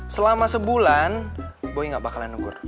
selama sebulan boy gak bakalan negur